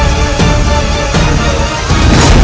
cara buat tanaman